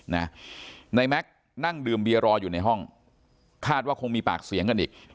นายแม็กซ์นั่งดื่มเบียรออยู่ในห้องคาดว่าคงมีปากเสียงกันอีก